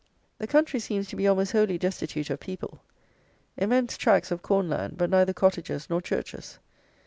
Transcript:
The country seems to be almost wholly destitute of people. Immense tracks of corn land, but neither cottages nor churches.